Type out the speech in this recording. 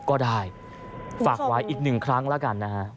ก็ได้ฝากไว้อีกหนึ่งครั้งแล้วกันนะฮะ